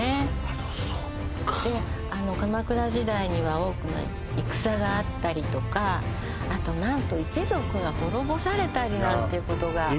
そっかで鎌倉時代には多くの戦があったりとかあと何と一族が滅ぼされたりなんていうことがいや